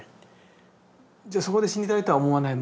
じゃそこで死にたいとは思わない？